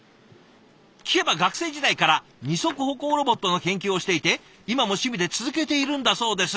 聞けば学生時代から二足歩行ロボットの研究をしていて今も趣味で続けているんだそうです。